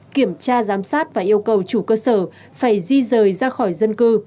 kiểm tra giám sát và yêu cầu chủ cơ sở phải di rời ra khỏi dân cư